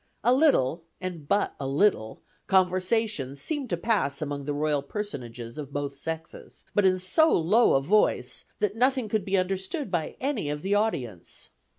A little, and but a little, conversation seemed to pass among the royal personages of both sexes, but in so low a voice, that nothing could be understood by any of the audience.